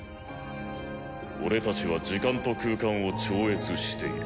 俺たちは時間と空間を超越している。